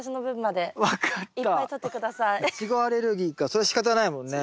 それしかたないもんね。